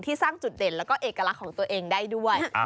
สร้างจุดเด่นแล้วก็เอกลักษณ์ของตัวเองได้ด้วย